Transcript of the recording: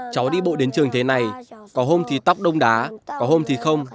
cháu đi bộ đến trường thế này có hôm thì tóc đông đá có hôm thì không